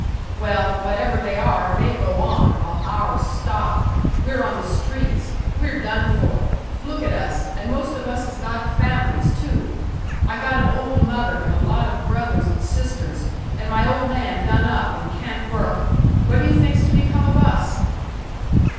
"Well, whatever they are, they go on, while ours stop. We're on the streets, we're done for. Look at us and most of us has got families, too! I got an old mother an' a lot of brothers and sisters, an' my old man done up an' can't work. What do you think's to become of us?"